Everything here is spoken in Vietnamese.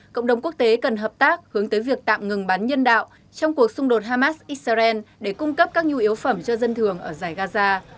cộng đồng quốc tế cần hợp tác hướng tới việc tạm ngừng bắn nhân đạo trong cuộc xung đột hamas israel để cung cấp các nhu yếu phẩm cho dân thường ở giải gaza